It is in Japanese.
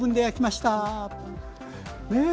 ねえ。